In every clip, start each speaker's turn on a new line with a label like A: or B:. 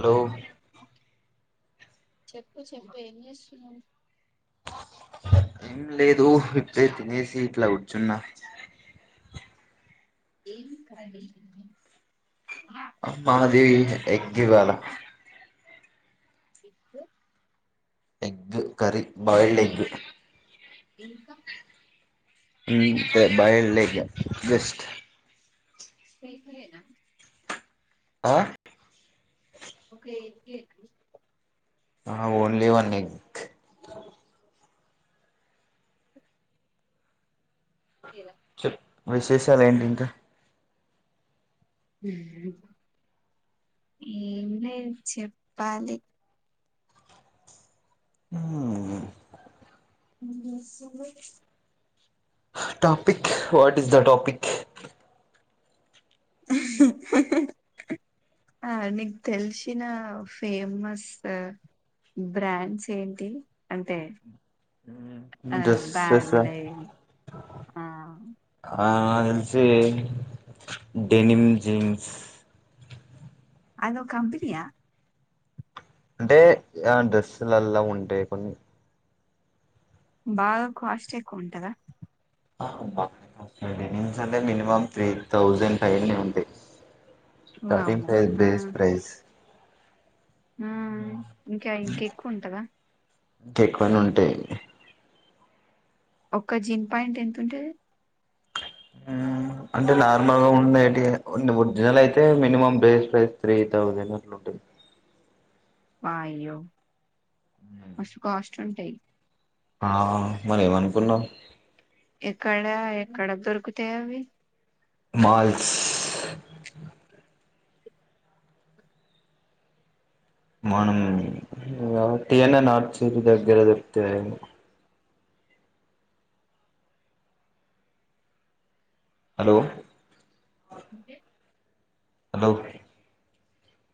A: Hello
B: [inaudible] చెప్పు చెప్పు ఏం చేస్తున్నావ్
A: ఏం లేదు ఇప్పుడే తినేసి ఇట్లా కూర్చున్నా
B: ఏం కరీ
A: మాది ఎగ్ ఇవాళ
B: egg
A: egg curry boiled egg
B: ఇంకా
A: ఇంతే బాయిల్డ్ ఎగ్గే బెస్ట్
B: ఉత్తి ఎగ్ ఫ్రై ఏనా
A: అ!
B: ఒక ఎగ్ ఏనా
A: అహా ఓన్లీ వన్ ఎగ్ చెప్ విశేషాలు ఏంటి ఇంకా
B: ఏమ్ లేవ్ చెప్పాలి
A: మ్మ్మ్
B: నువ్వే some where's
A: topic what is the topic
B: [unintelligible] ఆ నీకు తెలిసిన ఫేమస్ బ్రాండ్స్ ఏంటి అంటే అ
A: డ్రెస్సెస్ ఆ
B: బాబిలే ఆ
A: ఆ.. తెలిసి డెనిమ్ జేమ్స్
B: అదో కంపెనీయా
A: అంటే ఆ డ్రెస్సులల్లా ఉంటాయి కొన్ని
B: బాగా కాస్ట్ ఎక్కువ ఉంటద
A: డెనిమ్స్ అంటే మినిమం త్రీ థౌసండ్ పైనే ఉంటాయ్ థర్టి
B: వామ్మో
A: ఫైవ్
B: ఆ
A: బేస్ట్ ప్రైజ్
B: ఆ ఇంకా ఇంక ఎక్కువ ఉంటందా
A: ఇంకా ఎక్కువనే ఉంటాయి
B: ఒక్క జిన్ పెంట్ ఎంత ఉంటది
A: మ్ అంటే నార్మల్ గా ఉండేటి ఒరిజినల్ అయితే minimum base price three thousand అట్ల ఉంటది [unintelligible]
B: వాయియో మస్తు కాస్ట్ ఉంటాయి
A: ఆ మరి ఏమనుకున్నావ్
B: ఎక్కడ ఎక్కడ దొరుకుతాయ్ అవి
A: మాల్స్ మనం టి ఎన్ ఎ నార్ చెట్టు దగ్గర దొరికుతాయ్ హలో
B: అంటే
A: హలో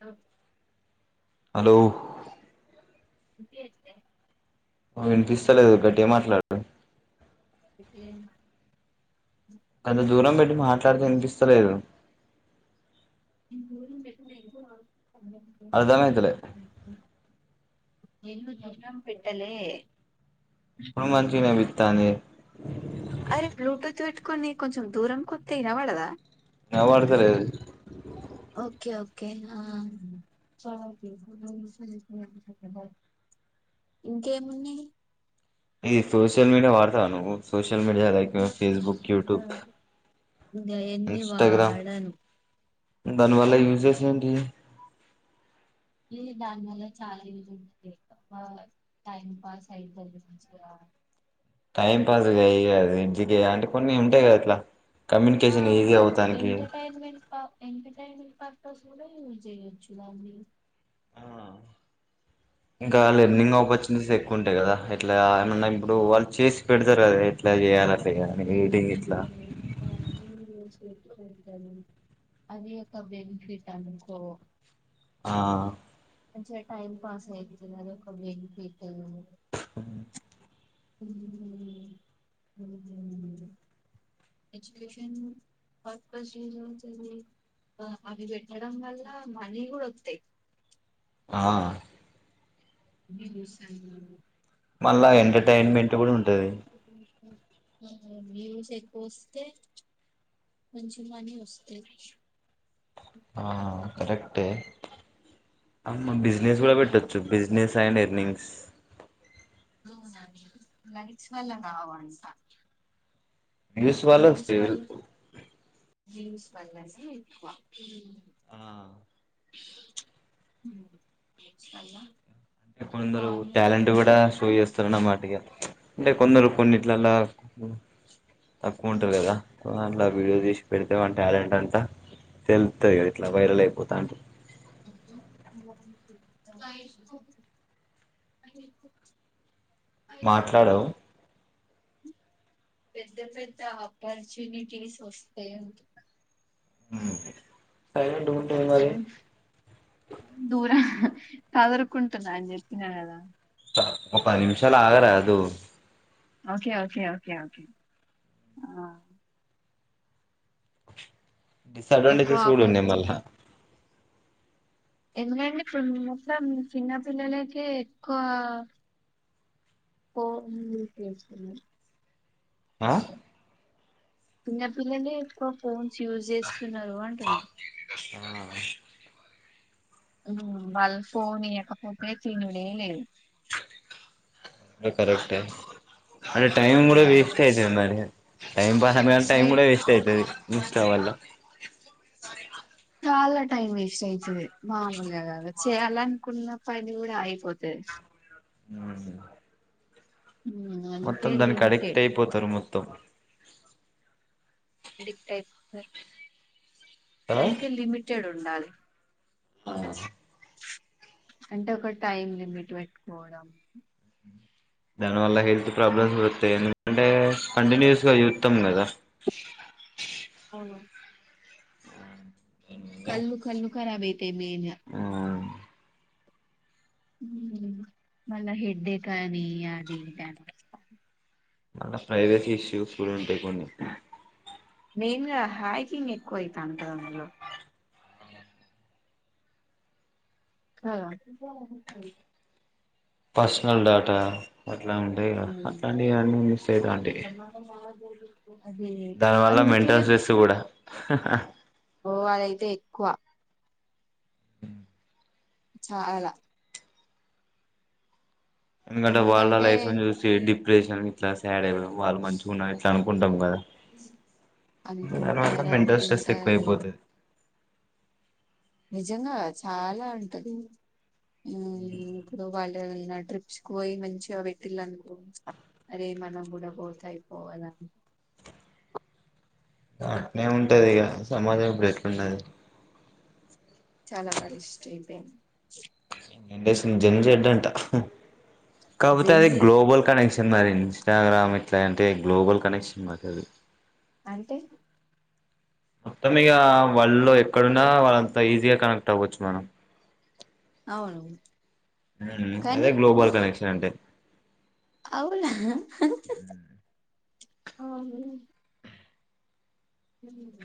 B: హలో
A: హలో
B: ఇంకేంటి
A: ఆ వినిపిస్తలేదు గట్టిగ మాట్లాడు
B: ఎట్టేయ్
A: అంత దూరం పెట్టి మాట్లాడితే వినిపిస్తలేదు
B: నేను దూరం పెట్టలేదు
A: అర్దమయితలే
B: నేను దూరం పెట్టలే
A: ఇప్పుడు మంచిగ వినిపిత్తాంది
B: అరే బ్లూటూత్ పెట్టుకొని కొంచెం దూరం కొత్తే ఇనబడదా
A: వినబడతలేదు
B: ఓకే [inaudible] ఇంకేముంది
A: ఇది సోషల్ మీడియా వాడతా ను్వు social media like Facebook YouTube
B: గాయన్ని ఎన్ని వాడను
A: దానివల్ల యూజ్ చేసాండి
B: దా చాల టై పాస్ అయి
A: టైం పాస్ కాయి కద ఇ అంటే కొన్ని ఉంటాయి కదా ఇట్లా
B: ఆ
A: కమ్యూనికేషన్ ఈజీ అవుతానికి
B: ఎంటటైన్మెట్ ఎంటటైన్మెట్ పర్పస్ యూస్ చేయొచ్చు దాన్ని
A: ఆ, ఇంకా లెర్నింగ్
B: ఎంటర్టైన్మెంట్
A: ఆపర్చునిటీస్ ఎక్కువ ఉంటాయి కదా ఇట్లా ఏమన్నా ఇప్పుడు వాళ్ళు చేసి పెడతారు కదా ఎట్లా చేయాల
B: యూట్యూబ్ లో వీడియోస్ అది ఒక బెనిఫిట్ అనుకో
A: ఆ
B: మంచిగా టైమ్ పాస్ అయితుంది అది ఒక బెనిఫిట్ అంది
A: అ
B: [inaudible] ఎజుకషన్ ఆ ఫస్ అ పెట్టడం వళ్ల్ల మానీ డకుతే
A: ఆ
B: [inaudible]
A: మళ్ళా
B: ఇట్లా
A: ఎంటర్టైన్మెంట్ కూడా ఉంటది
B: వ్యూస్ ఎక్కువస్తే మంచిమాని వస్తే
A: ఆ కరెక్టే అమ్మ బిజినెస్ కూడా పెట్టొచ్చు బిజినెస్ సైండ్ ఎర్నింగ్స్
B: [inaudible]
A: వ్యూస్ వళ్ళ వస్తాయి
B: [inaudible]
A: ఆ
B: [inaudible]
A: కొందరు
B: కామన్
A: టాలెంట్ కూడా షో చేస్తారు నా మాటకి అంటే కొందరు కొన్నిట్లలా తక్కువ ఉంటారు కదా ఇలా వీడియో తీసి పెడితే వాని టాలెంట్ అంతా తెలుతుంది కదా ఇట్లా వైరల్ అయిపోతా అంట
B: [inaudible]
A: మాట్లాడవు
B: పెద్ద పెద్ద ఆపర్చునిటీస్ వస్తే ఉ
A: [inaudible] మరి
B: స దూర కదురుకుంటున్నా అని చెప్పినా కదా
A: ఒక పది నిమిషాలులాగరాదు
B: ఓకే ఓకే ఓకే ఓకే ఎక్కువ
A: డిసడ్వాన్ంటేజెస్
B: ఆపర్చు
A: ఉన్నాయ్ మళ్ళ
B: ఎందుకంటే ఇప్పుడు మొత్తం చిన్నపిల్లలకి ఎక్కువ [inaudible]
A: ఆ
B: చిన్నపిల్లలే ఎక్కువ ఫోన్స్ యూజ చేస్తున్నారు అంటున్నారు వాళ్లకుఫోన్ ఇయ్యకపోతే తినుడలేదు
A: కరెక్ట్ అంటే టై కూడా
B: ఉమ్.
A: వేస్ట్ అయితే మరి టై పాస్ సమ టైం
B: అయి
A: కూడా వేస్ట్ అవుతుంది ఇష్ట వల్ల
B: చాలా టైం వేస్ట్ అయితది మామూలుగా కదా చేయాల అనుకున్న పని కూడా అయిపోతది
A: నమస్తే మొత్తం
B: అందుకే
A: దానికి అడిక్ట్
B: లిమిటెడ్
A: అయిపోతారు మొత్తం
B: అడిక్ట్ అయిపోతార్ అందుకే లిమిటెడ్ ఉండాలి
A: అవును
B: అంటే ఒక టైమ్ లిమిట్ పెట్టుకోవడం
A: దానివల్ల హెల్త్ ప్రాబ్లమ్స్ వస్తాయి ఎందుకంటే కంటిన్యూస్ గా చూస్తాం కదా [unintelligible]
B: అవును కళ్ళు కళ్ళు కరాబ అయితే మెన్గా మళ్ళీ హెడేక్ అని అదీఇదీ అంటార్
A: మల్ల ప్రైవేట్ ఇష్యూస్ కూడా ఉంటాయ్ కొన్ని
B: మెయిన్ గా హైకింగ్ ఎక్కువ అయితంటుంది అందులో ఆ
A: పర్సనల్ డేటా అట్లా ఉంటాయిగా
B: ఉమ్.
A: అట్లాంటివి అన్నీ మిస్ అయితంటేయ్
B: అదే అందుకే
A: మెంటల్ స్ట్రెస్ కూడా
B: ఓ అయిత్థాయ కువా చాలా
A: ఎందుకంటే వాళ్ళ లైఫ్ని చూసి డీప్ ప్రెషన్ ఇట్లా సాడ్ అయిపో వాళ్ళు మంచిగా ఉనారు ఇట్ల అనుకుంటాం కదా దానివల్ల
B: అనుకుంటారు
A: మెంటల్ స్ట్రెస్ ఎక్కువ
B: అనుకుంటారు
A: అయిపోతది
B: నిజంగా చాలా ఉంటది హ్మ్ ఇప్పుడు వాళ్ళు ఏదన్న ట్రిప్స్ పోయి మంచిగా పెట్టిలనుకో అరే మనం కూడా పోతే అయిపోకదా
A: అట్నే ఉంటది ఇక సమాజం ఇప్పుడు ఎట్లునది
B: చాలా వరస్ట్ అయిపోయింది
A: ఏం చేస్తుంది జన్ చెడ అంటా కాకపోతే అది
B: జెంజీ
A: గ్లోబల్ కనెక్షన్ మరి ఇన్స్టాగ్రామ్ ఎట్లా అంటే గ్లోబల్ కనెక్షన్ మాకు అది
B: అంటే
A: మొత్తం ఇగా వరల్డ్ లో ఎక్కడున్నా వాళ్ళంతా ఈజీగా కనెక్ట్ అవ్వచ్చు మనం
B: అవును
A: హ్మ అదే
B: కానీ
A: గ్లోబల్ కనెక్షన్ అంటే
B: అవునా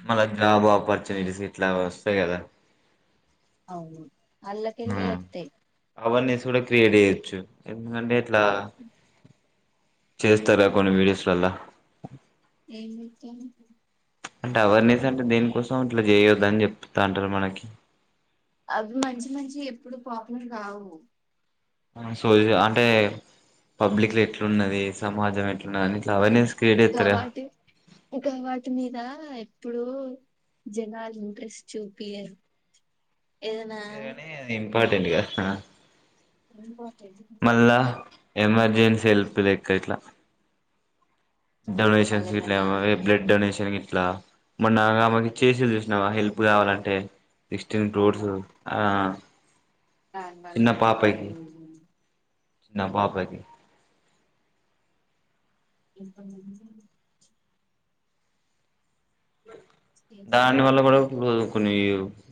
A: మల్ల జాబ్ అప్పోర్చున్టీస్ ఇట్లా వస్తాయ్ కదా
B: అవును అల్లకెళ్లె
A: ఉమ్
B: వస్తాయ్
A: అవేర్నెస్ కూడా క్రియేట్ చేయొచ్చు ఎందుకంటే ఇట్లా చేస్తారగా కొన్ని వీడియోస్లల్లా
B: ఏం చేస్తారు
A: అంటే అవేర్నెస్ అంటే దేనికోసం అట్లా చేయవద్ద అని చెప్తా అంటారు మనకి
B: అవి మంచి మంచి వి ఎప్పుడు పాపులర్ కావు
A: సోది అంటే పబ్లిక్ లో ఎట్లున్నది సమాజం ఎట్
B: ఆ గవాటు గవాటు మీద ఇప్పుడు జనాలు ఇంట్రెస్ట్ చూపియరు ఏదనా
A: ఇంపార్టెంట్గా హా
B: ఇంపార్టెంట్ గది
A: ఎమర్జెన్సీ హెల్ప్ లెక్క ఇట్ల
B: మళ్ళ
A: డనేషన్స్ ఇట్ల
B: ఏమన్నా
A: ఎవర్ బ్లడ్ డొనేషన్ ఇట్లా మొన్న ఆమెకు చేసా చూసినవా హెల్ప్ కావాలంటే ఇస్టేల్ రోడ్స్
B: అవునవును
A: ఆ ఆ
B: దాని వల్ల చాలా [unintelligible]
A: చిన్న
B: అ
A: పాపకి
B: ఇప్పటినుంచి
A: దాని వల్ల కూడా ఇప్పుడు కొన్ని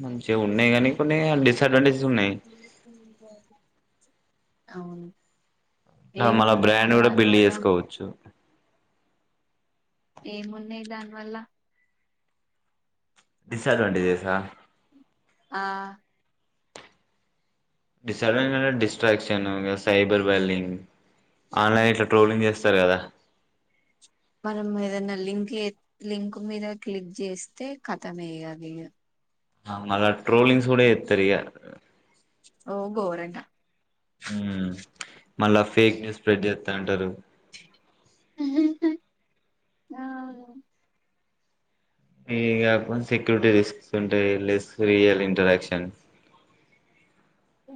A: మంచిగా ఉన్నాయి కానీ కొన్ని డిసడ్వాంటేజ్
B: అవును
A: మన
B: ఏమున్నాయి
A: బ్రాండ్ కూడా
B: దాని
A: బిల్డ్
B: వల్ల
A: చేసుకోవచ్చు
B: ఏమున్నాయి దానివల్ల
A: డిస్అడ్వాంటేజ్సా
B: ఆ
A: డిస్డ్ డిస్ట్రక్షన్గా సైబర్ బైలింగ్ ఆన్లైన్ ఇట్లా ట్రోలింగ్ చేస్తారు కదా
B: మనం ఏదైనా లింక్ లింక్ మీద క్లిక్ చేస్తే కథమే ఇగ అది
A: మళ ట్రోలింగ్ కూడా జేస్తారు ఇగ
B: ఓ గోరంగా
A: ఉమ్ మళ్ళా ఫేక్ న్యూస్ స్ప్రెడ్ చేస్తా అంటారు
B: ఆ
A: ఇగ అకౌంట్ సెక్యూరిటీ రిస్క్స్ ఉంటాయిలెస్ రియల్ ఇంట్రడక్షన్
B: ఏ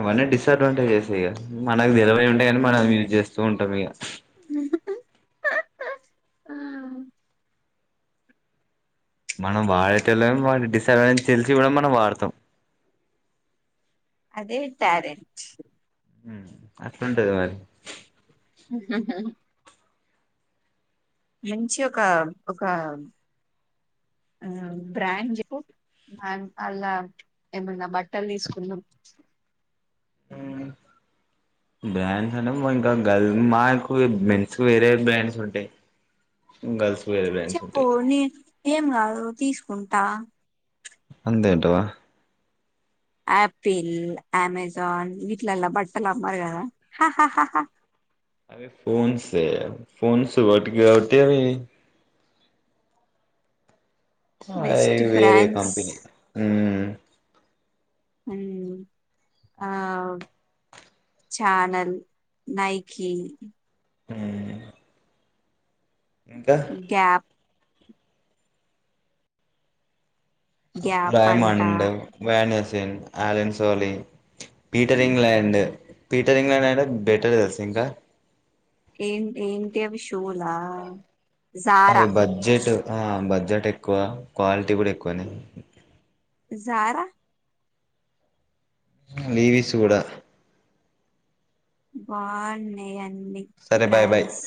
A: అవన్నీ డిస్డ్వాంటేజెస్ ఇగ మనకు తెలవై ఉంటేయి కాని మనం యూజ్ చేస్తూ ఉంటాం ఇగ
B: ఆ
A: మనం వాడేటోల్లం వాటి డిసడ్వంటేజ్ అని తెలిసి కూడా మనం వాడతాం
B: అదే ట్యాలెంట్
A: అట్లుంటాది మరి
B: మంచి ఒక ఒక ఆ బ్రాండ్ చెప్పు మ అలా ఏమన్నా బట్టలు తీసుకుందం
A: ఉమ్ బ్రాండ్స్ అంటే ఇంకా గల్ మాకు మెన్స్ వేరే బ్రాండ్స్ ఉంటాయి గర్ల్స్ వేరే బ్రాండ్స్
B: చెప్పు
A: ఉంటాయి
B: నీ ఏం కాదు తీసుకుంటా
A: అంతే అంటావా
B: ఆపిల్ అమెజాన్ విట్లాళ్ళ బట్టలు అమ్మరు కదా
A: అవి ఫాన్స్ ఫోన్స్ వటికి కాబట్టి అవి అయి
B: బెస్ట్
A: వేరే
B: బ్రాండ్స్
A: కంపెనీ
B: ఉమ్ ఆ చానల్ నైకిీ
A: ఉమ్
B: గ్యాప్ గ్యాప్ అంట
A: రాయమడ్ వేనేస్ దిన్ Allen Solly Peter England Peter England అయనా బెటర్ దెల్సా ఇంకా
B: ఏంటి ఏంటి అవి షూలా జారా
A: అవి బడ్జెట్ ఆ బడ్జెట్ ఎక్కువ క్వాలిటీ కూడా ఎక్కువనే
B: జారా
A: లీవీస్ కూడా
B: బెన్నై అన్ని
A: సరే బాయ్ బాయ్
B: బ్రాండ్స్